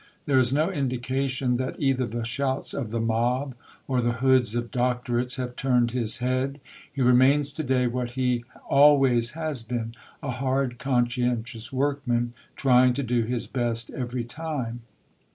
There is no indication that either the shouts of the mob or the hoods of Doctorates have turned his head; he remains to day what he always has been a hard, conscientious workman, trying to do his best every time.